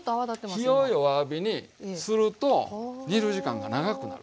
だから火を弱火にすると煮る時間が長くなる。